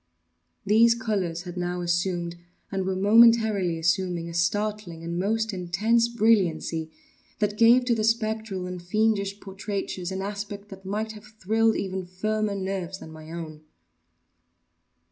These colors had now assumed, and were momentarily assuming, a startling and most intense brilliancy, that gave to the spectral and fiendish portraitures an aspect that might have thrilled even firmer nerves than my own.